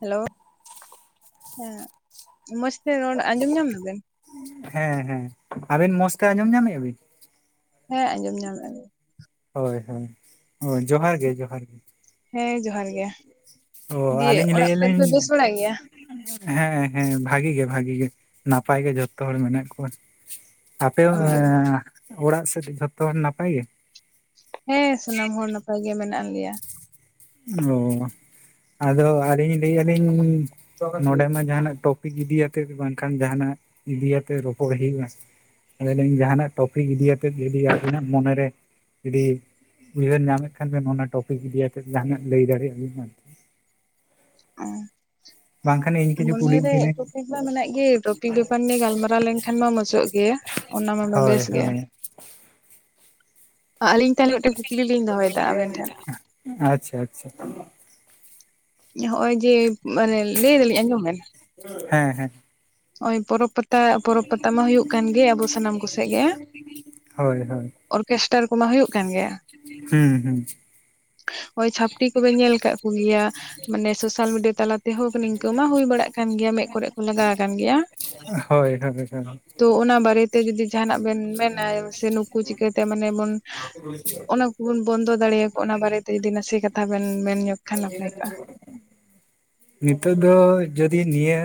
Hello ᱦᱮᱸ ᱢᱚᱡᱽᱛᱮ ᱨᱚᱲᱹ ᱟᱸᱡᱚᱢ ᱧᱟᱢᱟ ᱫᱟᱵᱤᱱ ᱦᱮᱸ ᱦᱮᱸ ᱟᱹᱵᱤᱱ ᱢᱚᱸᱡᱽᱛᱮ ᱟᱸᱡᱚᱢ ᱧᱟᱢᱮᱫᱼᱟ ᱵᱤᱱ? ᱦᱮᱸ ᱟᱸᱡᱚᱢ ᱧᱟᱢᱮᱫ ᱟᱞᱤᱧ ᱦᱳᱭ ᱦᱳᱭ ᱦᱳ ᱡᱚᱦᱟᱨᱹ ᱜᱮ ᱡᱚᱦᱟᱨᱹ ᱜᱮ ᱦᱮᱸ ᱡᱚᱦᱟᱨᱹ ᱜᱮ ᱚ ᱫᱤᱭᱮ ᱟᱹᱞᱤᱧ ᱚᱲᱟᱹᱜ ᱞᱟᱹᱭᱮᱫ ᱠᱚᱨᱮᱹ ᱫᱚᱯᱮ ᱞᱤᱧ ᱵᱮᱥ ᱵᱟᱲᱟᱜ ᱜᱮᱭᱟ? ᱦᱮᱸ ᱦᱮᱸ ᱵᱷᱟᱜᱮ ᱜᱮ ᱵᱷᱟᱜᱮ ᱜᱮ ᱱᱟᱯᱟᱭ ᱜᱮ ᱡᱚᱛᱚ ᱦᱚᱲ ᱢᱮᱱᱟᱼᱜ ᱠᱚᱣᱟ᱾ ᱟᱸᱯᱮ ᱦᱚ ᱚ ᱮ ᱚᱲᱟᱜ ᱥᱮᱫ ᱡᱷᱚᱛᱚ ᱦᱚᱲ ᱱᱟᱯᱟᱭ ᱜᱮ? ᱦᱮᱸ ᱥᱟᱱᱟᱢ ᱦᱚᱲ ᱱᱟᱯᱟᱭ ᱜᱮ ᱢᱮᱱᱟᱼᱜ ᱞᱮᱭᱟ ᱚ ᱟᱫᱚ ᱟᱹᱞᱤᱧ ᱞᱟᱹᱭ ᱮᱜ ᱞᱤᱧ ᱱᱚᱰᱮ ᱢᱟ ᱡᱟᱦᱟᱸᱱᱟᱜ ᱴᱚᱯᱤᱠ ᱤᱫᱤᱭᱟᱹᱛᱮ ᱵᱟᱝ ᱠᱷᱟᱱ ᱡᱟᱦᱟᱸ ᱱᱟᱜ ᱤᱫᱤ ᱟᱛᱮ ᱨᱚᱯᱚᱲ ᱦᱳᱭᱳᱜᱼᱟ ᱟᱫᱚ ᱞᱤᱧ ᱡᱟᱦᱟᱸᱱᱟᱜ ᱴᱚᱯᱤᱠ ᱤᱫᱤ ᱠᱟᱛᱮᱫ ᱡᱩᱫᱤ ᱟᱹᱵᱤᱱᱟᱜ ᱢᱚᱱᱮᱹᱨᱮ ᱡᱩᱫᱤ ᱩᱭᱦᱟᱹᱨ ᱧᱟᱢᱮᱫ ᱠᱷᱟᱱ ᱵᱮᱱ ᱚᱱᱟ ᱴᱚᱯᱤᱠ ᱤᱫᱤ ᱠᱟᱛᱮᱫ ᱡᱟᱦᱟᱸᱱᱟᱜ ᱞᱟᱹᱭ ᱫᱟᱹᱲᱮᱭᱟᱼᱜ ᱟᱵᱤᱱ ᱦᱮ ᱥᱮ ᱦᱩᱸ ᱵᱟᱝ ᱢᱚᱱᱮ ᱨᱮ ᱴᱚᱯᱤᱠ ᱢᱟ ᱢᱮᱱᱟᱜ ᱜᱮ, ᱴᱚᱯᱤᱠ ᱵᱮᱯᱟᱨ ᱱᱤᱭᱮ ᱜᱟᱞᱢᱟᱨᱟᱣ ᱞᱮᱱ ᱠᱷᱟᱱ ᱢᱟ ᱢᱚᱪᱚᱜ ᱜᱮᱭᱟ ᱚᱱᱟ ᱢᱟ ᱦᱳᱭ ᱵᱮᱥ ᱜᱮᱭᱟ ᱦᱳᱭ ᱟᱹᱞᱤᱧ ᱛᱟᱦᱚᱞᱮ ᱢᱤᱫ ᱴᱮᱱ ᱠᱩᱠᱞᱤ ᱞᱤᱧ ᱫᱚᱦᱚᱭ ᱫᱟ ᱟᱵᱤᱱ ᱴᱷᱮᱱ ᱟᱪᱪᱷᱟ ᱟᱪᱪᱷᱟ ᱦᱚᱜ-ᱚᱭ ᱡᱮ ᱢᱟᱱᱮ ᱞᱟᱹᱭ ᱫᱟᱞᱤᱧ ᱟᱸᱡᱚᱢ ᱵᱮᱱ ᱦᱮᱸ ᱦᱮᱸ ᱦᱚᱜ-ᱚᱭ ᱵᱚᱨᱚ ᱯᱟᱛᱟ ᱵᱚᱨᱚ ᱯᱟᱛᱟ ᱢᱟ ᱦᱳᱭᱳᱼᱜ ᱠᱟᱱ ᱜᱮ, ᱟᱸᱵᱚ ᱥᱟᱱᱟᱢ ᱠᱚ ᱥᱮᱜ ᱜᱮ ᱦᱳᱭ ᱦᱳᱭ ᱚᱨᱠᱮᱥᱴᱟᱨ ᱠᱚ ᱢᱟ ᱦᱳᱭᱳᱼᱜ ᱠᱟᱱ ᱜᱮᱭᱟ ᱦᱩᱸ ᱦᱩᱸ ᱳᱭ ᱪᱷᱟᱯᱲᱤ ᱠᱚᱵᱮ ᱧᱮᱞ ᱠᱟᱜ ᱠᱚᱜ ᱜᱮᱭᱟ ᱢᱟᱱᱮ ᱥᱳᱥᱟᱞ ᱢᱤᱰᱤᱭᱟ ᱛᱟᱞᱟ ᱛᱮ ᱦᱳᱠ ᱱᱤᱝᱠᱟᱹ ᱢᱟ ᱦᱳᱭ ᱵᱟᱲᱟᱜ ᱠᱟᱱ ᱜᱮᱭᱟ ᱢᱮᱫ ᱠᱚᱨᱮᱜ ᱠᱚ ᱞᱟᱜᱟᱣ ᱟᱠᱟᱱ ᱜᱮᱭᱟ ᱦᱳᱭ ᱦᱳᱭ ᱦᱳᱭ ᱛᱚ ᱚᱱᱟ ᱵᱟᱨᱮ ᱛᱮ ᱡᱩᱫᱤ ᱡᱟᱦᱟ ᱱᱟᱜ ᱵᱮᱱ ᱢᱮᱱᱟ ᱥᱮ ᱱᱩᱠᱩ ᱪᱤᱠᱟᱹᱛᱮ ᱢᱟᱱᱮ ᱵᱚᱱ [unintelligible] ᱚᱱᱟ ᱠᱚᱵᱚᱱ ᱵᱚᱱᱫᱚ ᱫᱟᱲᱮᱭᱟ ᱠᱚ ᱚᱱᱟ ᱵᱟᱨᱮ ᱛᱮ ᱡᱩᱫᱤ ᱱᱟᱥᱮ ᱠᱟᱛᱷᱟ ᱵᱮᱱ ᱢᱮᱱ ᱧᱚᱜ ᱠᱷᱟᱱ ᱱᱟᱯᱟᱭ ᱠᱚᱜᱼᱟ [unintelligible] ᱱᱤᱛᱚᱜ ᱫᱚ ᱡᱩᱫᱤ ᱱᱤᱭᱟ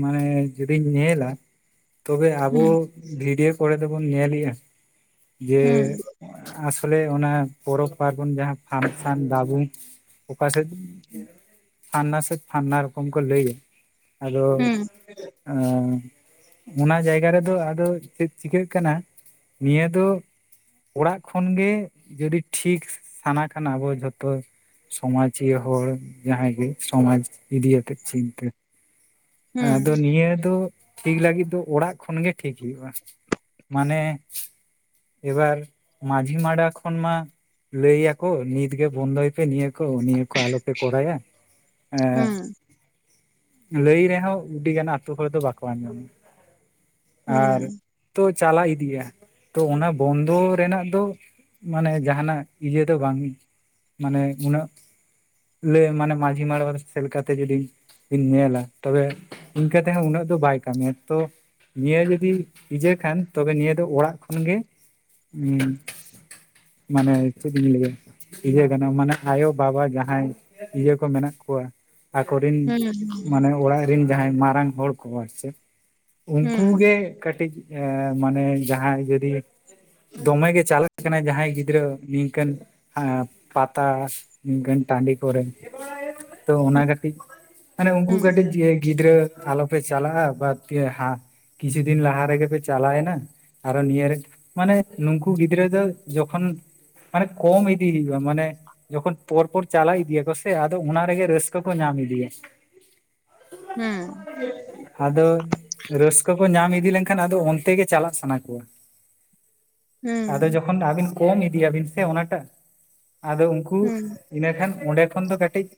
ᱢᱟᱱᱮ ᱡᱩᱫᱤᱧ ᱧᱮᱞ-ᱟ ᱛᱚᱵᱮ ᱟᱵᱚ ᱦᱩᱸ ᱵᱷᱤᱰᱭᱳ ᱠᱚᱨᱮ ᱫᱚ ᱵᱚᱱ ᱧᱮᱞᱮᱜᱼᱟ ᱡᱮ ᱦᱩᱸ ᱟᱥᱚᱞᱮ ᱚᱱᱟ ᱯᱚᱨᱚᱵᱽ ᱯᱟᱨᱵᱚᱱ ᱡᱟᱦᱟᱸ ᱯᱷᱟᱱᱥᱮᱱ ᱫᱟᱵᱩᱝ ᱚᱠᱟ ᱥᱮᱫ ᱯᱷᱟᱱᱟ ᱥᱮᱫ ᱯᱷᱟᱱᱟ ᱨᱚᱠᱚᱢ ᱠᱚ ᱞᱟᱹᱭᱟ ᱟᱫᱚ ᱦᱩᱸ ᱟ ᱚᱱᱟ ᱡᱟᱭᱜᱟ ᱨᱮᱫᱚ ᱟᱫᱚ ᱪᱮᱫ ᱪᱤᱠᱟᱹᱜ ᱠᱟᱱᱟ ᱱᱤᱭᱟ. ᱫᱚ ᱚᱲᱟᱜ ᱠᱷᱚᱱ ᱜᱮ ᱡᱚᱫᱤ ᱴᱷᱤᱠ ᱥᱟᱱᱟ ᱠᱟᱱᱟ ᱟᱵᱚ ᱡᱷᱚᱛᱚ ᱥᱚᱢᱟᱡᱤᱭᱟᱹ ᱦᱚᱲ ᱡᱟᱦᱟᱭ ᱜᱮ ᱥᱚᱢᱟᱡᱽ ᱤᱫᱤ ᱠᱟᱛᱮᱜ ᱪᱤᱱᱛᱟᱹ ᱦᱩᱸ ᱟᱫᱚ ᱱᱤᱭᱟᱹ ᱫᱚ ᱴᱷᱤᱠ ᱞᱟᱹᱜᱤᱫ ᱫᱚ ᱚᱲᱟᱜ ᱠᱷᱚᱱ ᱜᱮ ᱴᱷᱤᱠ ᱦᱩᱭᱩᱜᱼᱟ ᱢᱟᱱᱮ ᱮᱵᱟᱨ ᱢᱟᱡᱷᱤ ᱢᱟᱰᱣᱟ ᱠᱷᱚᱱ ᱢᱟ ᱞᱟᱹᱭ ᱟᱠᱚ ᱱᱤᱛ ᱜᱮ ᱵᱚᱱᱫᱚᱭ ᱯᱮ ᱱᱤᱭᱟᱹ ᱠᱚ ᱱᱤᱭᱟᱹ ᱠᱚ ᱟᱞᱚ ᱯᱮ ᱠᱚᱨᱟᱭ ᱟ ᱦᱮᱸ, ᱞᱟᱹᱭᱨᱮ ᱟᱣ ᱩᱥᱰᱤᱜᱟᱱ ᱟᱛᱳ ᱠᱚᱨᱮ ᱫᱚ ᱵᱟᱠᱚ ᱟᱸᱡᱚᱢᱟ, ᱟᱨ ᱦᱩᱸ ᱛᱚ, ᱪᱟᱞᱟ ᱤᱫᱤᱼᱟ ᱛᱚ ᱚᱱᱟ ᱵᱚᱱᱫᱚ ᱨᱮᱱᱟᱜ ᱫᱚ ᱢᱟᱱᱮ ᱡᱟᱦᱟᱱᱟᱜ ᱤᱭᱟᱹ ᱫᱚ ᱵᱟᱝ ᱢᱟᱱᱮ ᱩᱱᱟᱹᱜ ᱞᱮᱟᱹᱭ ᱢᱟᱱᱮ ᱢᱟᱺᱡᱷᱤ ᱢᱟᱲᱚᱣᱟᱨ ᱥᱮᱫ ᱞᱮᱠᱟᱛᱮ ᱡᱩᱫᱤ ᱵᱤᱱ ᱧᱮᱞᱟ ᱛᱚᱵᱮ ᱤᱱᱠᱟᱹ ᱛᱮᱦᱚᱸ ᱩᱱᱟᱹᱜ ᱫᱚ ᱵᱟᱭ ᱠᱟᱹᱢᱤᱭᱟ ᱛᱚ ᱱᱤᱭᱟᱹ ᱡᱩᱫᱤ ᱵᱤᱡᱟᱹ ᱠᱷᱟᱱ ᱛᱚᱵᱮ ᱱᱤᱭᱟᱹ ᱫᱚ ᱚᱲᱟᱜ ᱠᱷᱚᱱᱜᱮ, ᱦᱩᱸ᱾ ᱢᱟᱱᱮ ᱪᱮᱫ ᱤᱧ ᱞᱟᱹᱭ ᱟ? ᱤᱭᱟᱹ ᱠᱟᱱᱟ ᱢᱟᱱᱮ ᱟᱭᱳ ᱵᱟᱵᱟ ᱡᱟᱦᱟᱸᱭ ᱤᱭᱟᱹ ᱠᱚ ᱢᱮᱱᱟᱜ ᱠᱚᱣᱟ ᱾ ᱟᱠᱚᱨᱮᱱ ᱦᱩᱸ ᱢᱟᱱᱮ ᱚᱲᱟᱜ ᱨᱮᱱ ᱡᱟᱦᱟᱸᱭ ᱢᱟᱨᱟᱝ ᱦᱚᱲ ᱠᱚ ᱟᱨ ᱪᱮᱫ ᱾ ᱦᱩᱸ ᱩᱱᱠᱩ ᱦᱩᱸ ᱜᱮ ᱠᱟᱹᱴᱤᱡ ᱮ ᱢᱟᱱᱮ ᱡᱟᱦᱟᱸᱭ ᱡᱩᱫᱤ ᱫᱚᱢᱮᱜ ᱜᱮ ᱪᱟᱞᱟᱜ ᱠᱟᱱᱟᱭ ᱡᱟᱦᱟᱸᱭ ᱜᱤᱫᱽᱨᱟᱹ ᱱᱤᱝᱠᱟᱹᱱ ᱟ ᱯᱟᱛᱟ ᱱᱤᱝᱠᱟᱹᱱ ᱴᱟᱺᱰᱤ ᱠᱚᱨᱮ ᱛᱚ ᱚᱱᱟ ᱠᱟᱹᱴᱤᱡ, ᱟᱱᱮ ᱩᱱᱠᱩ ᱦᱩᱸ ᱠᱟᱹᱴᱤᱡ ᱜᱤᱫᱽᱨᱟᱹ ᱟᱞᱚᱯᱮ ᱪᱟᱞᱟᱜᱼᱟ ᱵᱟᱫᱽ ᱫᱤᱭᱮ ᱦᱟ ᱠᱤᱪᱷᱩ ᱫᱤᱱ ᱞᱟᱦᱟᱨ ᱨᱮᱜᱮ ᱯᱮ ᱪᱟᱞᱟᱭᱮᱱᱟ? ᱟᱨᱚ ᱱᱤᱭᱟᱹ ᱨᱮ ᱢᱟᱱᱮ ᱱᱩᱝᱠᱩ ᱜᱤᱫᱽᱨᱟᱹ ᱫᱚ ᱡᱚᱠᱷᱚᱱ ᱢᱟᱱᱮ ᱠᱚᱢ ᱤᱫᱤ ᱦᱩᱭᱩᱜ ᱟ ᱢᱟᱱᱮ ᱡᱚᱠᱷᱚᱱ ᱯᱚᱨᱯᱚᱨ ᱪᱟᱞᱟᱣ ᱤᱫᱤᱭᱟ ᱠᱚ ᱥᱮ ᱟᱫᱚ ᱚᱱᱟ ᱨᱮᱜᱮ ᱨᱟᱹᱥᱠᱟᱹ ᱠᱚ ᱧᱟᱢ ᱤᱫᱤᱭᱟ ᱾ ᱦᱩᱸ ᱾ ᱟᱫᱚ ᱨᱟᱹᱥᱠᱟᱹ ᱠᱚ ᱧᱟᱢ ᱤᱫᱤ ᱞᱮᱱᱠᱷᱟᱱ ᱟᱫᱚ ᱚᱱᱛᱮ ᱜᱮ ᱪᱟᱞᱟᱜ ᱥᱟᱱᱟ ᱠᱚᱣᱟ ᱾ [inaudible] ᱟᱫᱚ ᱦᱩᱸ ᱡᱚᱠᱷᱚᱱ ᱫᱟᱜ ᱵᱤᱱ ᱠᱚᱢ ᱤᱫᱤᱭᱟᱵᱤᱱ ᱥᱮ ᱚᱱᱟᱴᱟᱜ ᱟᱫᱚ ᱩᱱᱠᱩ ᱦᱩᱸ ᱤᱱᱟᱹᱠᱷᱟᱱ ᱚᱸᱰᱮ ᱠᱷᱚᱱ ᱫᱚ ᱠᱟᱹᱴᱤᱡ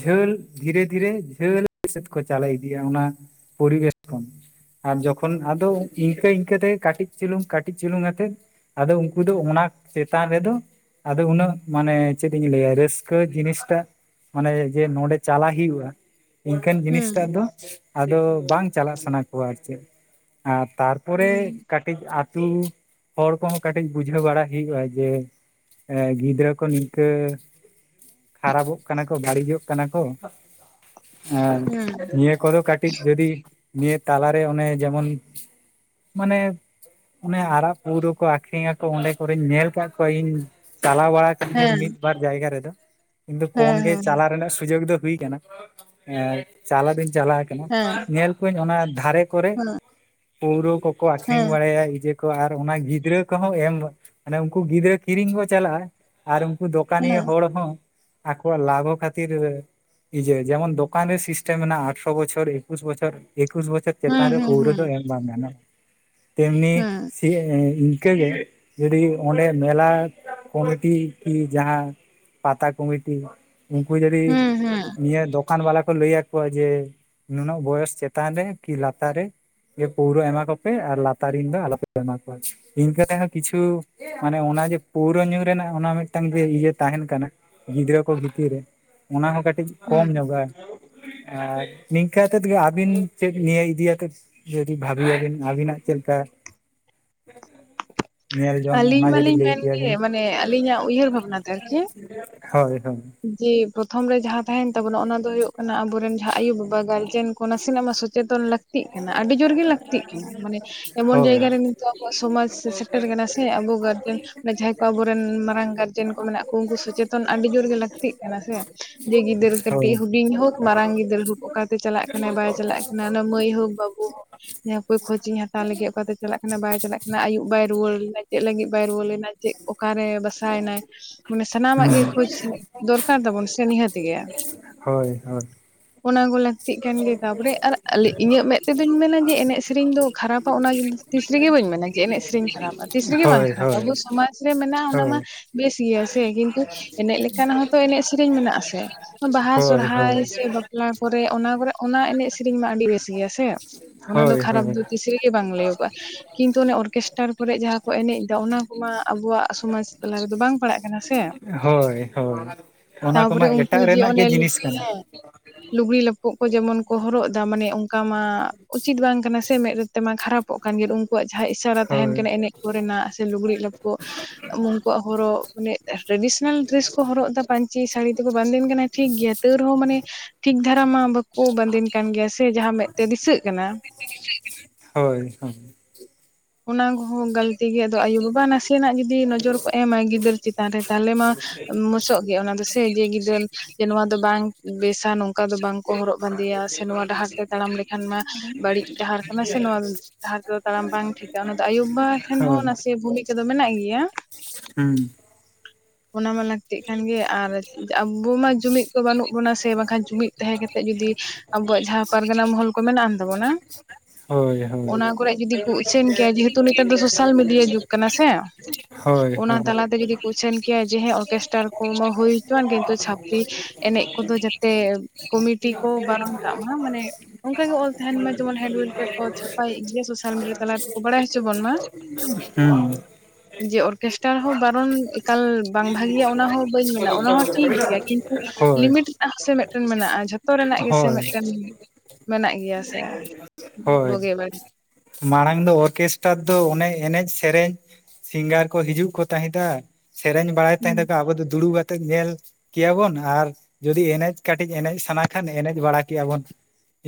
ᱡᱷᱟᱹᱞ ᱫᱷᱤᱨᱮᱹᱫᱷᱤᱨᱮᱹ ᱡᱷᱟᱹᱞ, ᱥᱮᱫ ᱠᱚ ᱪᱟᱞᱟᱣ ᱤᱫᱤᱭᱟ ᱚᱱᱟ ᱯᱚᱨᱤᱵᱮᱥ ᱠᱷᱚᱱ ᱾ ᱟᱨ ᱡᱚᱠᱷᱚᱱ ᱟᱫᱚ ᱤᱱᱠᱟᱹ ᱤᱱᱠᱟᱹ ᱛᱮᱜᱮ ᱠᱟᱹᱴᱤᱡ ᱪᱩᱞᱩᱝ ᱠᱟᱹᱴᱤᱡ ᱪᱩᱞᱩᱝ ᱟᱛᱮᱫ ᱟᱫᱚ ᱩᱱᱠᱩ ᱫᱚ ᱚᱱᱟ ᱪᱮᱛᱟᱱ ᱨᱮᱫᱚ ᱟᱫᱚ ᱩᱱᱟᱹᱜ ᱢᱟᱱᱮ ᱪᱮᱫ ᱤᱧ ᱞᱟᱹᱭᱟ ᱨᱟᱹᱥᱠᱟᱹ ᱡᱤᱱᱤᱥᱴᱟᱜ ᱢᱟᱱᱮ ᱡᱮ ᱱᱚᱸᱰᱮ ᱪᱟᱞᱟ ᱦᱤ ᱦᱩᱣᱟ ᱾ ᱤᱱᱠᱟᱱ ᱦᱩᱸ ᱡᱤᱱᱤᱥᱴᱟᱜ ᱫᱚ ᱟᱫᱚ ᱵᱟᱝ ᱪᱟᱞᱟᱜ ᱥᱟᱱᱟ ᱠᱚᱣᱟ ᱟᱨ ᱪᱮᱫ ᱟᱨ ᱛᱟᱨ ᱯᱚᱨᱮ ᱦᱩᱸ ᱠᱟᱹᱴᱤᱡ ᱟᱹᱛᱳ ᱦᱚᱲ ᱠᱚᱦᱚᱸ ᱠᱟᱹᱴᱤᱡ ᱵᱩᱡᱷᱟᱹᱣ ᱵᱟᱲᱟ ᱦᱳᱭᱳᱜᱼᱟ ᱡᱮ ᱮ, ᱜᱤᱫᱽᱨᱟᱹ ᱠᱚ ᱱᱤᱝᱠᱟᱹ ᱠᱷᱟᱨᱟᱯᱚᱜ ᱠᱟᱱᱟ ᱠᱚ ᱵᱟᱹᱲᱤᱡᱚᱜ ᱠᱟᱱᱟ ᱠᱚ ᱾ ᱦᱮᱸ, ᱱᱤᱭᱟᱹ ᱠᱚᱫᱚ ᱠᱟᱹᱴᱤᱡ ᱡᱚᱫᱤ ᱱᱤᱭᱟᱹ ᱛᱟᱞᱟᱨᱮ ᱚᱱᱮ ᱡᱮᱢᱚᱱ ᱢᱟᱱᱮ ᱚᱱᱮ ᱟᱨᱟᱜ ᱯᱟᱹᱣᱨᱟᱹ ᱠᱚ ᱟᱠᱷᱨᱤᱧ ᱟᱠᱚ ᱚᱸᱰᱮ ᱠᱚᱨᱮᱧ ᱧᱮᱞ ᱟᱠᱟᱫ ᱠᱚᱣᱟ ᱤᱧ ᱪᱟᱞᱟᱣ ᱵᱟᱲᱟ ᱦᱮᱸ ᱢᱤᱫ ᱵᱟᱨ ᱡᱟᱭᱜᱟ ᱨᱮᱫᱚ ᱠᱤᱱᱛᱩ ᱠᱚᱢ ᱦᱮᱸ ᱜᱮ ᱪᱟᱞᱟᱜ ᱨᱮᱱᱟᱜ ᱥᱩᱡᱳᱜ ᱫᱚ ᱦᱩᱭ ᱠᱟᱱᱟ ᱾ ᱮ ᱪᱟᱞᱟᱣ ᱫᱩᱧ ᱪᱟᱞᱟᱣ ᱠᱟᱱᱟ ᱦᱮᱸ ᱦᱮᱸ ᱧᱮᱞ ᱠᱚᱣᱟᱧ ᱚᱱᱟ ᱫᱷᱟᱨᱮ ᱠᱚᱨᱮ ᱦᱮᱸ ᱯᱳᱣᱨᱳ ᱠᱚᱠᱚ ᱟᱠᱷᱨᱤᱧ ᱵᱟᱲᱟᱭᱟ ᱦᱤ ᱡᱮᱯ ᱠᱚ ᱟᱨ ᱚᱱᱟ ᱜᱤᱫᱽᱨᱟᱹ ᱠᱚᱦᱚᱸ ᱮᱢ ᱢᱟᱱᱮ ᱩᱱᱠᱩ ᱜᱤᱫᱽᱨᱟᱹ ᱠᱤᱨᱤᱧ ᱠᱚ ᱪᱟᱞᱟᱜᱼᱟ ᱾ ᱟᱨ ᱩᱱᱠᱩ ᱫᱚᱠᱟᱱᱤᱭᱟᱹ ᱦᱮᱸ ᱦᱚᱲ ᱦᱚᱸ ᱟᱠᱚᱣᱟᱜ ᱞᱟᱵᱷᱚ ᱠᱷᱟᱹᱛᱤᱨ ᱤᱭᱟᱹᱭ ᱡᱮᱢᱚᱱ ᱫᱚᱠᱟᱱ ᱨᱮ ᱥᱤᱥᱴᱮᱢ ᱢᱮᱱᱟᱜᱼᱟ ᱟᱴᱷᱟᱨᱚ ᱵᱚᱪᱷᱚᱨ ᱮᱹᱠᱩᱥ ᱵᱚᱪᱷᱚᱨ, ᱮᱹᱠᱩᱥ ᱵᱚᱪᱚᱨ ᱪᱮᱛᱟᱱ ᱦᱮᱸ ᱨᱮ ᱦᱮᱸ ᱯᱳᱣᱨᱟᱹ ᱫᱚ ᱦᱮᱸ ᱮᱢ ᱵᱟᱝ ᱜᱟᱱᱚᱜ ᱛᱮᱢᱱᱤ ᱦᱮᱸ ᱮᱹ-ᱮᱹ-ᱤᱱᱠᱟᱹᱜᱮ ᱡᱩᱫᱤ ᱚᱸᱰᱮ ᱧᱮᱞᱟ ᱠᱚᱢᱤᱴᱤ ᱠᱤ ᱡᱟᱦᱟᱸ ᱯᱟᱛᱟ ᱠᱚᱢᱤᱴᱤ ᱩᱱᱠᱩ ᱡᱩᱫᱤ ᱦᱩᱸ ᱦᱩᱸ ᱱᱤᱭᱟᱹ ᱫᱚ ᱫᱚᱠᱟᱱ ᱵᱟᱞᱟ ᱠᱚ ᱞᱟᱹᱭ ᱟᱠᱚᱣᱟ ᱡᱮ ᱱᱩᱱᱟᱹᱜ ᱵᱚᱭᱚᱥ ᱪᱮᱛᱟᱱ ᱨᱮ ᱠᱤ ᱞᱟᱛᱟᱨ ᱨᱮ ᱡᱮ ᱯᱟᱹᱣᱨᱟᱹ ᱮᱢᱟ ᱠᱚᱯᱮ ᱟᱨ ᱞᱟᱛᱟᱨ ᱨᱮᱱ ᱫᱚ ᱟᱞᱚᱯᱮᱯᱮ ᱮᱢᱟ ᱠᱚᱣᱟ ᱤᱱᱠᱟᱹ ᱨᱮᱦᱚᱸ ᱠᱤᱪᱷᱩ ᱢᱟᱱᱮ ᱚᱱᱟ ᱡᱮ ᱯᱩᱣᱨᱟᱹ ᱧᱩ ᱨᱮᱱᱟᱜ ᱚᱱᱟ ᱢᱤᱫᱴᱟᱝ ᱡᱮ ᱤᱭᱟᱹ ᱛᱟᱦᱮᱱ ᱠᱟᱱᱟ ᱜᱤᱫᱽᱨᱟᱹ ᱠᱚ ᱵᱷᱤᱛᱤᱨ ᱨᱮ᱾ ᱚᱱᱟ ᱦᱚᱸ ᱠᱟᱹᱴᱤᱡ ᱠᱚᱢ ᱦᱩᱸ ᱧᱚᱜᱼᱟ᱾ ᱟᱨ ᱱᱤᱝᱠᱟᱹᱛᱮᱫ ᱟᱹᱵᱤᱱ ᱪᱮᱫ ᱱᱤᱭᱟᱹ ᱤᱫᱤ ᱟᱛᱮᱫ ᱡᱩᱫᱤ ᱵᱷᱟᱵᱤᱭᱟᱵᱤᱱ ᱟᱵᱤᱱᱟᱜ ᱪᱮᱫ ᱞᱮᱠᱟ ᱧᱮᱞ ᱡᱚᱝ ᱟᱹᱞᱤᱧ ᱚᱱᱟ ᱡᱩᱫᱤ ᱢᱟᱞᱤᱧ ᱞᱟᱹᱭ ᱢᱮᱱᱜᱮ ᱠᱮᱭᱟᱵᱤᱱ, ᱢᱟᱱᱮ ᱟᱹᱞᱤᱧᱟᱜ ᱩᱭᱦᱟᱹᱨ ᱵᱷᱟᱵᱽᱱᱟ ᱛᱮ ᱟᱨᱠᱤ ᱦᱳᱭ ᱦᱳᱭ᱾ ᱡᱮ ᱯᱨᱚᱛᱷᱚᱢ ᱨᱮ ᱡᱟᱦᱟᱸ ᱛᱟᱦᱮᱸᱱ ᱛᱟᱵᱚᱱᱟ ᱚᱱᱟ ᱫᱚ ᱦᱩᱭᱩᱜ ᱠᱟᱱᱟ ᱟᱵᱩᱨᱮᱱ ᱡᱟᱦᱟᱸ ᱟᱭᱳᱼᱵᱟᱵᱟ ᱜᱟᱨᱡᱮᱱ ᱠᱚ ᱱᱟᱸᱥᱮᱱᱟᱜ ᱢᱟ ᱥᱚᱪᱮᱛᱚᱱ ᱞᱟᱹᱠᱛᱤᱜ ᱠᱟᱱᱟ, ᱟᱹᱰᱤ ᱡᱳᱨ ᱜᱮ ᱞᱟᱹᱠᱛᱤᱜ ᱠᱟᱱᱟ ᱢᱟᱱᱮ ᱮᱢᱚᱱ ᱦᱳᱭ ᱡᱟᱭᱜᱟ ᱨᱮ ᱱᱤᱛᱚᱜ ᱟᱵᱚᱣᱟᱜ ᱥᱚᱢᱟᱡ ᱥᱮ ᱥᱮᱴᱮᱨ ᱠᱟᱱᱟ ᱥᱮ ᱟᱵᱚ ᱜᱟᱨᱡᱮᱱ ᱡᱟᱦᱟᱸᱭ ᱠᱚ ᱟᱵᱩᱨᱮᱱ ᱢᱟᱨᱟᱝ ᱜᱟᱨᱡᱮᱱ ᱠᱚ ᱢᱮᱱᱟᱜ ᱠᱚ ᱩᱝᱠᱩ ᱥᱚᱪᱮᱛᱚᱱ ᱟᱹᱰᱤ ᱡᱳᱨ ᱜᱮ ᱞᱟᱹᱜ ᱞᱟᱹᱠᱛᱤᱜ ᱠᱟᱱᱟ ᱥᱮ ᱡᱮ ᱜᱤᱫᱟᱹᱨ ᱦᱳᱭ ᱠᱟᱹᱴᱤᱡ ᱦᱩᱰᱤᱧ ᱦᱳᱠ ᱢᱟᱨᱟᱝ ᱜᱤᱫᱟᱹᱨ ᱦᱳᱠ ᱚᱠᱟᱛᱮ ᱪᱟᱞᱟᱜ ᱠᱟᱱᱟᱭ ᱵᱟᱭ ᱪᱟᱞᱟᱜ ᱠᱟᱱᱟ ᱚᱱᱟ ᱢᱟᱹᱭ ᱦᱳᱠ ᱵᱟᱹᱵᱩ ᱦᱳ ᱦᱮᱸ ᱚᱠᱚᱭ ᱠᱷᱳᱪᱤᱧ ᱦᱟᱛᱟᱣ ᱞᱮᱜᱮ ᱚᱠᱟᱛᱮ ᱪᱟᱞᱟᱜ ᱠᱟᱱᱟ ᱵᱟᱭ ᱪᱟᱞᱟᱜ ᱠᱟᱱᱟ ᱟᱭᱩᱵ ᱵᱟᱭ ᱨᱩᱣᱟᱹᱲ ᱞᱮᱱᱟ, ᱪᱮᱫ ᱞᱟᱹᱜᱤᱫ ᱵᱟᱭ ᱨᱩᱣᱟᱹᱲ ᱞᱮᱱᱟ? ᱪᱮᱫ ᱚᱠᱟ ᱨᱮ ᱵᱟᱥᱟᱭᱮᱱᱟᱭ ᱩᱱᱤ ᱥᱟᱱᱟᱢᱟᱜ ᱜᱮ ᱦᱩᱸ ᱠᱷᱳᱡ ᱫᱚᱨᱠᱟᱨ ᱛᱟᱵᱩᱱ ᱥᱮ ᱱᱤᱦᱟᱹᱛ ᱜᱮᱭᱟ᱾ ᱦᱳᱭ ᱦᱳᱭ ᱚᱱᱟ ᱠᱚ ᱞᱟᱹᱠᱛᱤᱜ ᱠᱟᱱ ᱜᱮ ᱛᱟᱯᱚᱨᱮ ᱟᱨ ᱤᱧᱟᱹᱜ ᱢᱮᱫ ᱛᱮᱫᱚᱧ ᱢᱮᱱᱟ ᱡᱮ ᱮᱱᱮᱡ ᱥᱮᱨᱮᱧ ᱫᱚ ᱠᱷᱟᱨᱟᱯᱟ ᱚᱱᱟ ᱡᱤᱱᱤᱥ ᱛᱤᱥ ᱨᱤᱜᱤ ᱵᱟᱹᱧ ᱢᱮᱱᱟ ᱡᱮ ᱮᱱᱮᱡ ᱥᱤᱨᱤᱧ ᱠᱷᱟᱨᱟᱯᱟ ᱛᱤᱥ ᱨᱤᱜᱤ ᱵᱟᱝ ᱦᱳᱭ ᱦᱳᱭ ᱠᱷᱟᱨᱟᱯᱟ, ᱟᱵᱩ ᱦᱳᱭ ᱥᱚᱢᱟᱡᱽ ᱨᱮ ᱢᱮᱱᱟᱜᱼᱟ ᱚᱱᱟ ᱢᱟ ᱵᱮᱥ ᱜᱮᱭᱟ ᱥᱮ ᱠᱤᱱᱛᱩ ᱮᱱᱮᱡ ᱞᱮᱠ ᱠᱟᱱᱜ ᱦᱚᱸᱛᱚ ᱮᱱᱮᱡ ᱥᱮᱨᱤᱧ ᱢᱮᱱᱟᱜ-ᱟ ᱥᱮ ᱵᱟᱦᱟ ᱦᱳᱭ ᱦᱳᱭ ᱦᱳᱭ ᱥᱚᱨᱦᱟᱭ ᱥᱮ ᱵᱟᱯᱞᱟ ᱠᱚᱨᱮ ᱚᱱᱟ ᱠᱚᱨᱮ ᱚᱱᱟ ᱮᱱᱮᱡ ᱥᱮᱨᱮᱧ ᱢᱟ ᱟᱹᱰᱤ ᱵᱮᱥ ᱜᱮᱭᱟ ᱥᱮ ᱚᱱᱟ ᱫᱚ ᱠᱷᱟᱨᱟᱯ ᱦᱳᱭ ᱫᱚ ᱛᱤᱥ ᱨᱮᱜᱮ ᱵᱟᱝ ᱞᱟᱹᱭᱚᱜᱚᱜᱼᱟ᱾ ᱠᱤᱱᱛᱩ ᱚᱱᱮ ᱚᱨᱠᱮᱥᱴᱟᱨ ᱠᱚᱨᱮᱜ ᱡᱟᱦᱟᱸ ᱠᱚ ᱮᱱᱮᱡ ᱫᱟ ᱚᱱᱟ ᱠᱚ ᱟᱵᱩᱣᱟᱜ ᱥᱚᱢᱟᱡ ᱛᱟᱞᱟ ᱨᱮᱫᱚ ᱵᱟᱝ ᱯᱟᱲᱟᱜ ᱠᱟᱱᱟ ᱥᱮ? ᱦᱳᱭ ᱦᱳᱭ ᱚᱱᱟ ᱠᱚᱢᱟ ᱛᱟᱯᱚᱨᱮ ᱩᱱᱠᱩ ᱮᱴᱟᱜ ᱡᱮ ᱨᱮᱱᱟᱜ ᱜᱮ ᱚᱱᱮ ᱡᱤᱱᱤᱥ ᱞᱩᱜᱽᱲᱤ ᱠᱟᱱᱟ᱾ ᱦᱮᱸ ᱞᱩᱜᱽᱲᱤ ᱞᱟᱯᱚᱜ ᱠᱚ ᱡᱮᱢᱚᱱ ᱠᱚ ᱦᱚᱨᱚᱜ ᱫᱟ ᱢᱟᱱᱮ ᱚᱱᱠᱟ ᱢᱟ ᱩᱪᱤᱛ ᱵᱟᱝ ᱠᱟᱱᱟ ᱥᱮ ᱢᱮᱸᱫ ᱨᱮ ᱛᱮᱢᱟ ᱠᱷᱟᱨᱟᱯᱚᱜ ᱠᱟᱱ ᱜᱮ ᱩᱱᱠᱩᱣᱟᱜ ᱡᱟᱦᱟᱸ ᱤᱥᱟᱨᱟ ᱛᱟᱦᱮᱸᱱ ᱦᱳᱭ ᱠᱟᱱᱟ ᱮᱱᱮᱡ ᱠᱚᱨᱮᱱᱟᱜ ᱥᱮ ᱞᱩᱜᱽᱲᱤᱡ ᱞᱟᱯᱚᱜ ᱩᱝᱠᱩᱣᱟᱜ ᱦᱚᱨᱚᱜ ᱢᱟᱱᱮ ᱴᱨᱟᱰᱤᱥᱚᱱᱟᱞ ᱰᱨᱮᱥ ᱠᱚ ᱦᱚᱨᱚᱜ ᱫᱟ ᱯᱟᱹᱧᱪᱤ ᱥᱟᱹᱲᱤ ᱛᱮᱠᱚ ᱵᱟᱸᱫᱮᱱ ᱠᱟᱱᱟ ᱴᱷᱤᱠ ᱜᱮᱭᱟ ᱛᱟᱹᱣ ᱨᱮᱦᱚᱸ ᱢᱟᱱᱮ ᱴᱷᱤᱠ ᱫᱷᱟᱨᱟ ᱢᱟ ᱵᱟᱠᱚ ᱵᱟᱸᱫᱮᱱ ᱠᱟᱱ ᱜᱮᱭᱟ ᱥᱮ ᱡᱟᱦᱟᱸ ᱢᱮᱫ ᱛᱮ ᱫᱤᱥᱟᱹᱜ ᱠᱟᱱᱟ, ᱦᱳᱭ ᱦᱳᱭ᱾ ᱚᱱᱟ ᱠᱚᱦᱚᱸ ᱜᱟᱹᱞᱛᱤ ᱜᱮᱭᱟ ᱟᱫᱚ ᱟᱭᱩᱼᱵᱟᱵᱟ ᱱᱟᱥᱮᱱᱟᱜ ᱡᱩᱫᱤ ᱱᱚᱡᱚᱨ ᱠᱚ ᱮᱢᱟ ᱜᱤᱫᱟᱹᱨ ᱪᱮᱛᱟᱱ ᱨᱮ ᱛᱟᱦᱚᱞᱮ ᱢᱟ ᱢᱚᱪᱚᱜ ᱜᱮᱭᱟ ᱚᱱᱟ ᱫᱚᱥᱮ ᱡᱮ ᱜᱤᱫᱟᱹᱨ ᱱᱚᱣᱟ ᱫᱚ ᱵᱟᱝ ᱵᱮᱥᱟ ᱱᱚᱝ ᱠᱟ ᱫᱚ ᱵᱟᱝᱠᱚ ᱦᱚᱨᱚᱜ ᱵᱟᱸᱫᱮᱭᱟ ᱥᱮ ᱱᱚᱣᱟ ᱰᱟᱦᱟᱨ ᱛᱮ ᱛᱟᱲᱟᱢ ᱞᱮᱠᱷᱟᱱ ᱢᱟ ᱵᱟᱹᱲᱤᱡ ᱰᱟᱦᱟᱨ ᱠᱟᱱᱟ ᱥᱮ, ᱱᱚᱣᱟ ᱰᱟᱦᱟᱨ ᱛᱮᱫᱚ ᱛᱟᱲᱟᱢ ᱵᱟᱝ ᱴᱷᱤᱠᱟ ᱚᱱᱟ ᱫᱚ ᱟᱭᱩᱼᱵᱟᱵᱟ ᱴᱷᱮᱱ ᱦᱚᱸ ᱦᱳᱭ ᱱᱟᱥᱤ ᱵᱷᱩᱢᱤᱠᱟ ᱫᱚ ᱢᱮᱱᱟᱜ ᱜᱮᱭᱟ᱾ ᱦᱩᱸ᱾ ᱚᱱᱟ ᱢᱟ ᱞᱟᱠ ᱛᱤᱜ ᱠᱟᱱ ᱜᱮᱭᱟ ᱟᱨ ᱟᱵᱩ ᱢᱟ ᱡᱩᱢᱤᱫ ᱠᱚ ᱵᱟᱹᱱᱩᱜ ᱵᱚᱱᱟ ᱥᱮ ᱵᱟᱝᱠᱷᱟᱱ ᱡᱩᱢᱤᱫ ᱛᱟᱦᱮᱸ ᱠᱟᱛᱮᱫ ᱡᱩᱫᱤ ᱟᱵᱚᱣᱟᱜ ᱡᱟᱦᱟᱸ ᱯᱟᱨᱜᱟᱱᱟ ᱢᱚᱦᱚᱞ ᱠᱚ ᱢᱮᱱᱟᱜ ᱟᱱ ᱛᱟᱵᱩᱱᱟ [inaudible] ᱦᱳᱭ ᱦᱳᱭ ᱩᱪᱷᱟᱹᱱ ᱠᱮᱭᱟ ᱡᱮᱦᱮᱛᱩ ᱱᱮᱛᱟᱨ ᱫᱚ ᱥᱳᱥᱟᱞ ᱢᱤᱰᱤᱭᱟ ᱡᱩᱜᱽ ᱠᱟᱱᱟ ᱥᱮ [inaudible] ᱦᱳᱭ ᱦᱳᱭ᱾ ᱢᱮᱱ ᱠᱮᱭᱟ ᱡᱮ ᱚᱨᱠᱮᱥᱴᱟᱨ ᱠᱚ ᱢᱟ ᱦᱩᱭ ᱦᱚᱪᱚᱣᱟᱱ ᱠᱤᱱᱛᱩ ᱪᱷᱟᱯᱨᱤ ᱮᱱᱮᱡ ᱠᱚᱫᱚ ᱡᱟᱛᱮ ᱠᱚᱢᱤᱴᱤ ᱠᱚ ᱵᱟᱨᱚᱱ ᱠᱟᱜ ᱢᱟ, ᱢᱟᱱᱮ ᱚᱝᱠᱟ ᱜᱮ ᱚᱞ ᱛᱟᱦᱮᱸᱱ ᱢᱟ ᱡᱮᱢᱚᱱ ᱦᱮᱸᱰ ᱵᱤᱞ ᱠᱷᱚᱡ ᱠᱚ ᱪᱷᱟᱯᱟᱭᱮᱫ ᱜᱮᱭᱟ ᱥᱳᱥᱟᱞ ᱢᱤᱰᱤᱭᱟ ᱛᱟᱞᱟ ᱛᱮᱠᱚ ᱵᱟᱲᱟᱭ ᱦᱚᱪᱚ ᱵᱚᱱ ᱢᱟ᱾ ᱦᱩᱸ᱾ ᱡᱮ ᱚᱨᱠᱮᱥᱴᱟᱨ ᱦᱚᱸ ᱵᱟᱨᱚᱱ ᱮᱠᱟᱞ ᱵᱟᱝ ᱵᱷᱟᱜᱤᱭᱟ ᱚᱱᱟ ᱦᱚᱸ ᱵᱟᱹᱧ ᱢᱮᱱᱟ ᱚᱱᱟ ᱦᱚᱸ ᱴᱷᱤᱠ ᱜᱮᱭᱟ ᱠᱤᱱᱛᱩ ᱦᱳᱭ ᱞᱤᱢᱤᱴ ᱨᱮᱱᱟᱜ ᱦᱚᱸᱥᱮ ᱢᱤᱫᱴᱮᱱ ᱢᱮᱱᱟᱜᱼᱟ ᱡᱷᱚᱛᱚ ᱨᱮᱱᱟᱜ ᱜᱮᱥᱮ ᱦᱳᱭ ᱢᱮᱫᱴᱮᱱ ᱢᱮᱱᱟᱜ ᱜᱮᱭᱟ ᱥᱮ ᱦᱳᱭ ᱵᱩᱜᱤ ᱵᱟᱹᱲᱤᱜ, ᱢᱟᱲᱟᱝ ᱫᱚ ᱚᱨᱠᱮᱥᱴᱟᱨ ᱫᱚ ᱚᱱᱮ ᱮᱱᱮᱡ ᱥᱮᱨᱮᱧ, ᱥᱤᱝᱜᱟᱨ ᱠᱚ ᱦᱤᱡᱩᱜ ᱠᱚ ᱛᱟᱦᱮᱸᱫᱟ ᱥᱮᱨᱮᱧ ᱵᱟᱲᱟᱭ ᱛᱟᱦᱮᱸ ᱦᱩᱸ ᱫᱚᱠᱚ ᱟᱵᱚ ᱫᱚ ᱫᱩᱲᱩᱵ ᱟᱛᱮᱜ ᱧᱮᱞ, ᱠᱮᱭᱟᱵᱩᱱ ᱟᱨ ᱡᱩᱫᱤ ᱮᱱᱮᱡ ᱠᱟᱹᱴᱤᱡ ᱮᱱᱮᱜ ᱥᱟᱱᱟ ᱠᱷᱟᱱ ᱮᱱᱮᱡ ᱵᱟᱲᱟ ᱠᱮᱭᱟ ᱵᱩᱱ᱾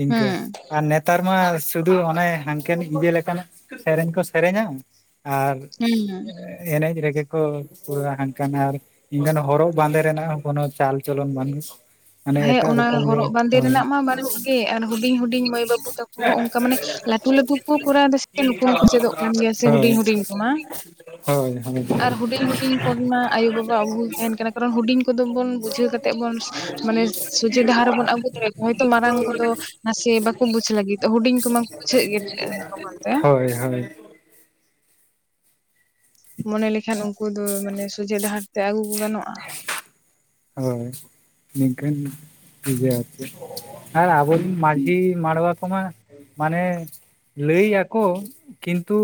ᱤᱱᱠᱟᱹ ᱦᱩᱸ ᱟᱨ ᱱᱮᱛᱟᱨ ᱢᱟ ᱥᱩᱫᱩ ᱚᱱᱮ, ᱮᱠᱮᱱ ᱤᱭᱟᱹ ᱞᱮᱠᱟᱱᱟᱜ ᱥᱮᱨᱮᱧ ᱠᱚ ᱥᱮᱨᱮᱧᱟ ᱟᱨ, ᱦᱩᱸ ᱦᱩᱸ ᱮᱱᱮᱜ ᱨᱮᱜᱮ ᱠᱚ ᱯᱩᱨᱟ ᱦᱟᱝᱠᱟᱱᱟᱨ ᱮᱱᱠᱷᱟᱱ ᱦᱚᱨᱚᱜ ᱵᱟᱸᱫᱮ ᱨᱮᱱᱟᱜ ᱠᱚᱱᱚ ᱪᱟᱞ ᱪᱚᱞᱚᱱ ᱵᱟᱱᱩᱜ, ᱦᱮᱸ ᱚᱱᱟ ᱦᱚᱨᱚᱜ ᱵᱟᱸᱫᱮ ᱨᱮᱱᱟᱜ ᱢᱟ ᱵᱟᱹᱱᱩᱜ ᱜᱮ ᱟᱨ ᱦᱩᱰᱤᱧ ᱦᱩᱰᱤᱧ ᱢᱟᱹᱭ ᱵᱟᱹᱵᱩ ᱛᱟᱠᱚ ᱦᱚᱸ ᱚᱱᱠᱟ ᱢᱟᱱᱮ ᱞᱟᱹᱴᱩ ᱞᱟᱹᱴᱩ, ᱱᱩᱠᱩ ᱠᱚ ᱠᱚᱨᱟᱣ ᱮᱫᱟ ᱥᱮ ᱱᱩᱠᱩ ᱢᱟᱠᱚ ᱪᱮᱫᱚᱜ ᱠᱟᱱ ᱜᱮᱭᱟ ᱥᱮ ᱦᱳᱭ ᱦᱩᱰᱤᱧ ᱦᱩᱰᱤᱧ ᱠᱚᱢᱟ᱾ ᱦᱳᱭ ᱦᱳᱭ᱾ ᱟᱨ ᱦᱩᱰᱤᱧ ᱦᱩᱰᱤᱧ ᱠᱚᱨᱮᱱ ᱢᱟ ᱟᱭᱳᱼᱵᱟᱵᱟ ᱣᱟᱜ ᱵᱷᱩᱞ ᱛᱟᱦᱮᱱ ᱠᱟᱱᱟ ᱠᱟᱨᱚᱱ ᱦᱩᱰᱤᱧ ᱠᱚᱫᱚ ᱵᱚᱱ ᱵᱩᱡᱷᱟᱹᱣ ᱠᱟᱛᱮ, ᱛᱮᱵᱚᱱ ᱢᱟᱱᱮ ᱥᱚᱡᱷᱮ ᱰᱟᱦᱟᱨ ᱨᱮᱵᱚᱱ ᱟᱹᱜᱩ ᱫᱟᱲᱮ ᱟᱠᱚᱣᱟ ᱦᱚᱭᱛᱚ ᱢᱟᱨᱟᱝ ᱠᱚᱫᱚ, ᱱᱟᱥᱮ ᱵᱟᱠᱚ ᱵᱩᱡᱷᱟᱹᱜ ᱞᱟᱹᱜᱤᱫᱚᱜ ᱦᱩᱰᱤᱧ ᱠᱚ ᱢᱟᱠᱚ ᱵᱩᱡᱷᱟᱹᱜ ᱜᱮ ᱮᱸ ᱞᱚᱜᱚᱱ ᱛᱮ᱾ ᱦᱳᱭ ᱦᱳᱭ, ᱢᱚᱱᱮ ᱞᱮᱠᱷᱟᱱ ᱩᱱᱠᱩ ᱫᱚ ᱢᱟᱱᱮ ᱥᱚᱡᱷᱮ ᱰᱟᱦᱟᱨ ᱛᱮ ᱟᱹᱜᱩ ᱠᱚ ᱜᱟᱱᱚᱜᱼᱟ᱾ ᱦᱳᱭ ᱱᱤᱝᱠᱟᱱ, ᱴᱷᱤᱠ ᱜᱮᱭᱟ ᱟᱨ ᱪᱮᱫ ᱟᱨ ᱟᱵᱚ ᱦᱩᱸ ᱢᱟᱺᱡᱷᱤ ᱢᱟᱰᱣᱟ ᱠᱚᱢᱟ ᱢᱟᱱᱮ, ᱞᱟᱹᱭ ᱟᱠᱚ ᱠᱤᱱᱛᱩ,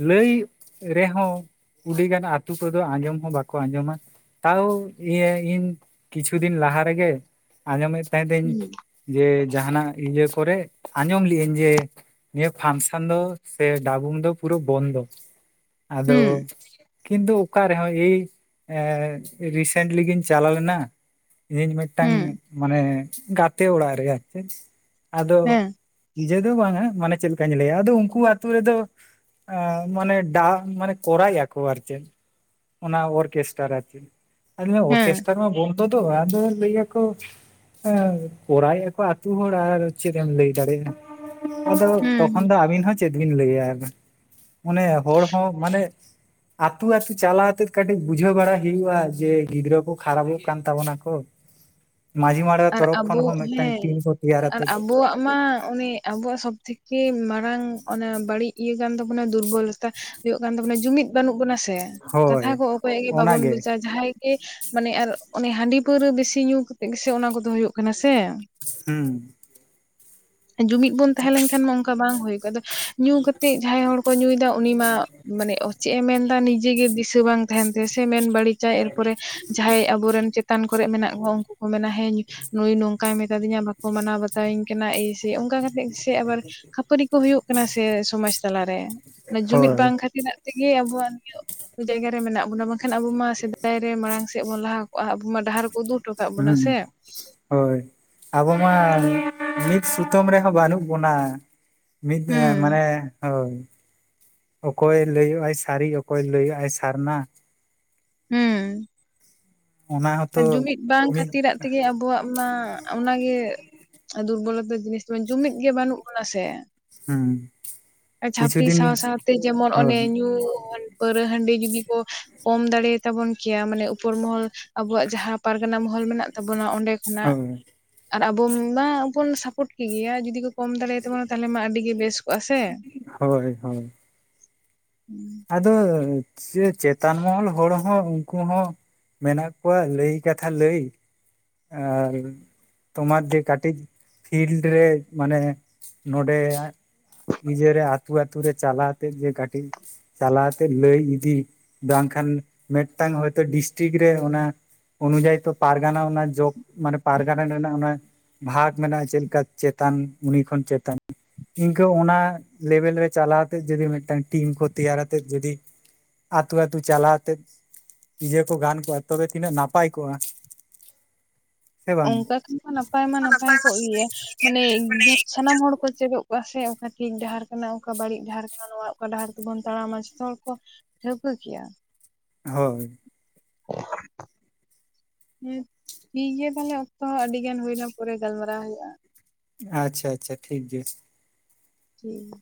ᱞᱟᱹᱭ ᱨᱮᱦᱚᱸ ᱩᱰᱤᱜᱟᱱ ᱟᱛᱳ ᱠᱚᱫᱚ ᱟᱸᱡᱚᱢ ᱦᱚᱸ ᱵᱟᱠᱚ ᱟᱸᱡᱚᱢᱟ᱾ ᱛᱟᱹᱣ ᱤᱭᱟᱹ ᱤᱧ ᱠᱤᱪᱷᱩ ᱫᱤᱱ ᱞᱟᱦᱟ ᱨᱮᱜᱮ ᱟᱸᱡᱚᱢᱮᱫ ᱛᱟᱦᱮᱸᱫᱟᱧ, ᱡᱮ ᱡᱟᱦᱟᱱᱟᱜ ᱤᱭᱟᱹ ᱠᱚᱨᱮ ᱟᱸᱡᱚᱢ ᱞᱮᱜ ᱟᱹᱧ ᱡᱮ, ᱱᱤᱭᱟᱹ ᱯᱷᱟᱱᱥᱚᱱ ᱫᱚ ᱥᱮ ᱰᱟᱹᱵᱩᱢ ᱫᱚ ᱯᱩᱨᱟᱹᱣ ᱵᱚᱱᱫᱚ᱾ ᱟᱫᱚ ᱦᱩᱸ ᱦᱩᱸ ᱠᱤᱱᱛᱩ ᱚᱠᱟ ᱨᱮᱦᱚᱸ ᱮᱭ ᱨᱤᱥᱮᱱᱴᱞᱤ ᱜᱮᱧ, ᱪᱟᱞᱟᱣ ᱞᱮᱱᱟ ᱤᱧ ᱢᱤᱫᱴᱟᱝ ᱦᱮᱸ ᱢᱟᱱᱮ ᱜᱟᱛᱮ ᱚᱲᱟᱜ ᱨᱮ ᱟᱨ ᱪᱮᱫ᱾ ᱟᱫᱚ ᱦᱮᱸ ᱤᱡᱮ ᱫᱚ ᱵᱟᱝᱟ ᱢᱟᱱᱮ ᱪᱮᱫ ᱞᱮᱠᱟᱧ ᱞᱟᱹᱭᱟ ᱟᱫᱚ ᱩᱱᱠᱩ ᱟᱹᱛᱩ ᱨᱮᱫᱚ, ᱟ ᱢᱟᱱᱮ ᱰᱟᱝ ᱢᱟᱱᱮ ᱠᱚᱨᱟᱭᱮᱜ ᱟᱠᱚ ᱟᱨ ᱪᱮᱫ, ᱚᱱᱟ ᱚᱨᱠᱮᱥᱴᱟᱨ ᱚᱨᱪᱮᱫ ᱚᱱᱮ ᱦᱮᱸ ᱚᱨᱠᱮᱥ ᱱᱮᱛᱟᱨ ᱢᱟ ᱵᱚᱱᱫᱚ ᱫᱚ ᱵᱟᱝ ᱟᱫᱚ ᱞᱟᱹᱭᱟ ᱠᱚ, ᱦᱮᱸ ᱠᱚᱨᱟᱣᱮᱜ ᱟᱠᱚ ᱟᱹᱛᱩ ᱦᱚᱲ ᱟᱨ ᱪᱮᱫ ᱮᱢ ᱞᱟᱹᱭ ᱫᱟᱲᱮᱭᱟᱜᱼᱟ᱾ ᱟᱫᱚ ᱛᱚᱠᱷᱚᱱ ᱦᱮᱸ ᱫᱚ ᱟᱹᱵᱤᱱ ᱦᱚᱸ ᱪᱮᱫ ᱵᱤᱱ ᱞᱟᱹᱭᱟ ᱟᱨᱫᱚ᱾ ᱚᱱᱮ ᱦᱚᱲ ᱦᱚᱸ ᱢᱟᱱᱮ, ᱟᱹᱛᱩ ᱟᱹᱛᱩ ᱪᱟᱞᱟᱣ ᱠᱟᱛᱮᱫ ᱠᱟᱹᱴᱤᱜ ᱵᱩᱡᱷᱟᱹᱣ ᱵᱟᱲᱟ ᱦᱩᱭᱩᱜᱼᱟ ᱡᱮ ᱜᱤᱫᱽᱨᱟᱹ ᱠᱚ, ᱠᱷᱟᱨᱟᱯᱚᱜ ᱠᱟᱱ ᱛᱟᱵᱚᱱᱟ ᱠᱚ ᱢᱟᱺᱡᱷᱤ ᱢᱟᱬ [unintelligible] ᱟᱨ ᱛᱚᱨᱚᱯ ᱠᱷᱚᱱ ᱟᱵᱚ ᱦᱚᱸ ᱢᱤᱫᱴᱟᱝ ᱦᱮᱸ ᱴᱤᱢ ᱠᱚ ᱛᱮᱭᱟᱨ ᱟᱨ ᱟᱛᱮᱜ, ᱟᱵᱚᱣᱟᱜ ᱢᱟ ᱩᱱᱤ ᱟᱵᱚᱣᱟᱜ ᱥᱚᱵ ᱛᱷᱮᱠᱮ ᱢᱟᱨᱟᱝ ᱚᱱᱟ ᱵᱟᱹᱲᱤᱜ, ᱤᱭᱟᱹ ᱠᱟᱱ ᱛᱟᱵᱚᱱᱟ ᱫᱩᱨᱵᱚᱞᱚᱛᱟ ᱦᱩᱭᱩᱜ ᱠᱟᱱ ᱛᱟᱵᱚᱱᱟ ᱡᱩᱢᱤᱫ ᱵᱟᱹᱱᱩᱜ ᱵᱚᱱᱟ, ᱛᱮᱭᱟ ᱦᱳᱭ ᱠᱟᱛᱷᱟ ᱠᱚ ᱚᱠᱚᱭᱟᱜ ᱜᱮ ᱵᱟᱵᱚᱱ ᱚᱱᱟᱜᱮ ᱵᱩᱡᱟ ᱡᱟᱦᱟᱸᱭ, ᱜᱮ ᱢᱟᱱᱮ ᱟᱨ ᱚᱱᱮ ᱦᱟᱺᱰᱤ ᱯᱟᱹᱣᱨᱟᱹ ᱵᱮᱥᱤ ᱧᱩ ᱠᱟᱛᱮᱜ ᱜᱮᱥᱮ ᱚᱱᱟ ᱠᱚᱫᱚ ᱦᱩᱭᱩᱜ ᱠᱟᱱᱟ ᱥᱮ᱾ ᱦᱩᱸ, ᱡᱩᱢᱤᱫ ᱵᱚᱱ ᱛᱟᱦᱮᱸ ᱞᱮᱱᱠᱷᱟᱱ ᱢᱟ ᱚᱱᱠᱟ ᱵᱟᱝ ᱦᱩᱭ ᱠᱚᱜᱼᱟ ᱟᱫᱚ, ᱧᱩ ᱠᱟᱛᱮ ᱡᱟᱦᱟᱸᱭ ᱦᱚᱲ ᱠᱚ ᱧᱩᱭᱮᱫᱟ ᱩᱱᱤ ᱢᱟ ᱢᱟᱱᱮ ᱪᱮᱫ ᱮ ᱢᱮᱱᱫᱟ ᱱᱤᱡᱮ ᱜᱮ ᱫᱤᱥᱟᱹ ᱵᱟᱝ, ᱛᱟᱦᱮᱱ ᱛᱮᱭᱟ ᱥᱮ ᱢᱮᱱ ᱵᱟᱹᱲᱤᱡᱟ ᱮᱨᱯᱚᱨᱮ ᱡᱟᱦᱟᱸᱭ ᱟᱵᱚ ᱨᱮᱱ ᱪᱮᱛᱟᱱ ᱠᱚᱨᱮ ᱢᱮᱱᱟᱜ ᱠᱚᱣᱟ ᱩᱱᱠᱩ ᱠᱚ ᱢᱮᱱᱟ ᱦᱮᱸ ᱱᱩᱭ ᱱᱚᱝᱠᱟᱭ ᱢᱮᱛᱟ ᱫᱤᱧᱟ ᱵᱟᱠᱚ ᱢᱟᱱᱟᱣ ᱵᱟᱛᱟᱣ ᱤᱧ ᱠᱟᱱᱟ ᱤᱥ ᱡᱚᱫᱤ ᱚᱱᱠᱟ ᱠᱟᱛᱮ, ᱥᱮ ᱟᱵᱟᱨ ᱠᱷᱟᱹᱯᱟᱹᱨᱤ ᱠᱚ ᱦᱩᱭᱩᱜ ᱠᱟᱱᱟ ᱥᱮ ᱥᱚᱢᱟᱡ ᱛᱟᱞᱟᱨᱮ, ᱡᱩᱢᱤᱫ ᱦᱳᱭ ᱵᱟᱝ ᱠᱷᱟᱹᱛᱤᱨᱟᱜ ᱛᱮᱜᱮ ᱟᱵᱚᱣᱟᱜ ᱱᱤᱭᱟᱹ ᱡᱟᱭᱜᱟ ᱨᱮ ᱢᱮᱱᱟᱜ ᱵᱚᱱᱟ ᱵᱟᱝᱠᱷᱟᱱ ᱟᱵᱚ ᱢᱟ ᱥᱮᱫᱟᱭ ᱨᱮ ᱢᱟᱲᱟᱝ ᱥᱮᱫ ᱵᱚᱱ ᱞᱟᱦᱟ ᱠᱚᱜᱼᱟ ᱟᱵᱚ ᱰᱟᱦᱟᱨ ᱩᱫᱩᱜ ᱦᱚᱴᱚ ᱠᱟᱜ ᱵᱚᱱᱟ ᱦᱩᱸ ᱥᱮ᱾ ᱦᱳᱭ ᱟᱵᱚ ᱢᱟ ᱢᱤᱫ ᱥᱩᱛᱟᱹᱢ ᱨᱮᱦᱚᱸ ᱵᱟᱹᱱᱩᱜ ᱵᱚᱱᱟ᱾ ᱢᱤᱫ ᱦᱩᱸ ᱢᱟᱱᱮ ᱦᱳᱭ᱾ ᱚᱠᱚᱭ ᱞᱟᱹᱭᱚᱜᱼᱟᱭ ᱥᱟᱹᱨᱤ ᱚᱠᱚᱭ ᱞᱟᱹᱭᱚᱜᱼᱟᱭ ᱥᱟᱨᱱᱟ᱾ ᱦᱩᱸ᱾ ᱚᱱᱟ ᱦᱚᱸᱛᱚ ᱡᱩᱢᱤᱫ ᱵᱟᱝ ᱢᱤᱫ ᱠᱷᱟᱹᱛᱤᱨᱟᱜ ᱛᱮᱜᱮ ᱟᱵᱚᱣᱟᱜ ᱢᱟ ᱚᱱᱟ ᱜᱮ ᱫᱩᱨᱵᱚᱞᱚᱛᱟ ᱡᱤᱱᱤᱥ ᱡᱩᱢᱤᱫ ᱜᱮ ᱵᱟᱹᱱᱩᱜ ᱵᱚᱱᱟ ᱥᱮ᱾ ᱦᱩᱸ ᱠᱤᱪᱷᱩ ᱡᱷᱟᱯᱲᱤ ᱫᱤᱱ ᱥᱟᱶᱼᱥᱟᱶᱛᱮ ᱡᱮᱢᱚᱱ ᱚᱱᱮ ᱦᱳᱭ ᱧᱩ ᱯᱟᱹᱣᱨᱟᱹ ᱦᱟᱺᱰᱤ ᱡᱩᱫᱤ ᱠᱚ ᱠᱚᱢ ᱫᱟᱲᱮᱭ ᱛᱟᱵᱚᱱ ᱠᱮᱭᱟ ᱢᱟᱱᱮ ᱩᱯᱚᱨ ᱢᱚᱦᱚᱞ ᱟᱵᱚᱣᱟᱜ ᱡᱟᱦᱟᱸ ᱯᱟᱨᱜᱟᱱᱟ ᱢᱚᱦᱚᱞ ᱢᱮᱱᱟᱜ ᱛᱟᱵᱚᱱᱟ ᱚᱸᱰᱮ ᱠᱷᱚᱱᱟᱜ ᱦᱳᱭ ᱟᱨ ᱟᱵᱚ ᱢᱟ ᱵᱚᱱ ᱥᱟᱯᱚᱴ ᱠᱮᱜᱮᱭᱟ ᱡᱩᱫᱤ ᱠᱚ ᱠᱚᱢ ᱫᱟᱲᱮᱭ ᱛᱟᱵᱚᱱᱟ ᱛᱟᱦᱞᱮ ᱢᱟ ᱟᱹᱰᱤ ᱜᱮ ᱵᱮᱥ ᱠᱚᱜ-ᱟ ᱥᱮ ᱦᱳᱭ ᱦᱳᱭ ᱦᱩᱸ᱾ ᱟᱫᱚ ᱪᱮ ᱪᱮᱛᱟᱱ ᱢᱚᱦᱚᱞ ᱦᱚᱲ ᱦᱚᱸ ᱩᱱᱠᱩ ᱦᱚᱸ ᱢᱮᱱᱟᱜ ᱠᱚᱣᱟ ᱞᱟᱹᱭ ᱠᱟᱛᱷᱟ ᱞᱟᱹᱭ ᱟᱨ ᱛᱳᱢᱟᱨ ᱡᱮ ᱠᱟᱴᱤᱡ ᱯᱷᱤᱞᱰ ᱨᱮ ᱢᱟᱱᱮ ᱱᱚᱰᱮ ᱤᱡᱮ ᱨᱮ ᱟᱹᱛᱩ ᱟᱹᱛᱩ ᱨᱮ ᱪᱟᱞᱟ ᱛᱮᱜ ᱜᱮ ᱠᱟᱴᱤᱡ ᱪᱟᱞᱟᱣ ᱛᱮᱜ ᱞᱟᱹᱭ ᱤᱫᱤ ᱵᱟᱝᱠᱷᱟᱱ ᱢᱤᱫᱴᱟᱝ ᱦᱚᱭᱛᱳ ᱰᱤᱥᱴᱤᱠ ᱨᱮ ᱚᱱᱟ ᱚᱱᱤᱫᱚᱭ ᱛᱚ ᱯᱟᱨᱜᱟᱱᱟ ᱚᱱᱟ ᱡᱚᱜᱽ ᱢᱟᱱᱮ ᱯᱟᱨᱜᱟᱱᱟ ᱨᱮᱱᱟᱜ ᱚᱱᱟ ᱵᱷᱟᱜ ᱢᱮᱱᱟᱜᱼᱟ ᱪᱮᱫ ᱞᱮᱠᱟ ᱪᱮᱛᱟᱱ ᱩᱱᱤ ᱠᱷᱚᱱ ᱪᱮᱛᱟᱱ ᱤᱱᱠᱟᱹ ᱚᱱᱟ ᱞᱮᱵᱮᱞ ᱨᱮ ᱪᱟᱞᱟᱣ ᱛᱮᱫ ᱡᱩᱫᱤ ᱢᱤᱫᱴᱟᱝ ᱴᱤᱢ ᱠᱚ ᱛᱮᱭᱟᱨ ᱟᱛᱮᱫ ᱡᱩᱫᱤ ᱟᱹᱛᱩ ᱟᱹᱛᱩ ᱪᱟᱞᱟᱣᱛᱮᱫ ᱤᱭᱟᱹ ᱠᱚ ᱜᱟᱱ ᱠᱚᱜᱼᱟ ᱛᱚᱵᱮ ᱛᱤᱱᱟᱹᱜ ᱱᱟᱯᱟᱭ ᱠᱚᱜᱼᱟ᱾ ᱥᱮ ᱵᱟᱝ ᱚᱝᱠᱟ ᱠᱷᱟᱱ ᱢᱟ ᱱᱟᱯᱟᱭ ᱢᱟ ᱱᱟᱯᱟᱭ ᱠᱚᱜ ᱜᱮᱭᱟ ᱢᱟᱱᱮ ᱡᱷᱚᱛ ᱥᱟᱱᱟᱢ ᱦᱚᱲ ᱠᱚ ᱪᱮᱫᱚᱜ ᱠᱚᱜ-ᱟ ᱥᱮ ᱚᱠᱟ ᱴᱷᱤᱠ ᱰᱟᱦᱟᱨ ᱠᱟᱱᱟ ᱚᱠᱟ ᱵᱟᱹᱲᱤᱡ ᱰᱟᱦᱟᱨ ᱠᱟᱱᱟ ᱱᱚᱣᱟ ᱚᱠᱟ ᱰᱟᱦᱟᱨ ᱛᱮᱵᱚᱱ ᱛᱟᱲᱟᱢᱟ ᱡᱚᱛᱚ ᱦᱚᱲ ᱠᱚ ᱴᱷᱟᱹᱣᱠᱟᱹ ᱠᱮᱭᱟ᱾ ᱦᱳᱭ᱾ [inaudible] ᱦᱮᱸ ᱴᱷᱤᱠ ᱜᱮᱭᱟ ᱛᱟᱦᱞᱮ ᱚᱠᱛᱚ ᱦᱚᱸ ᱟᱹᱰᱤ ᱜᱟᱱ ᱦᱩᱭᱱᱟ ᱯᱚᱨᱮ ᱜᱟᱞᱢᱟᱨᱟᱣ ᱦᱳᱭᱩᱜᱼᱟ᱾ ᱟᱪᱪᱷᱟ ᱟᱪᱪᱷᱟ ᱴᱷᱤᱠ ᱜᱮᱭᱟ᱾ ᱴᱷᱤᱠ ᱜᱮᱭᱟ᱾